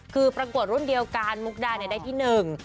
คือประกวดรุ่นเดียวกันมุกดาเนี่ยได้ที่หนึ่ง